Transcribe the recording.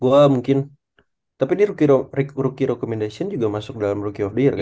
gua mungkin tapi di rookie recommendation juga masuk dalam rookie of the year kan